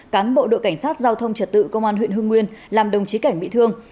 cán bộ đội cảnh sát giao thông trật tự công an huyện hưng nguyên làm đồng chí cảnh bị thương